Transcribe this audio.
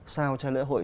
sao cho lễ hội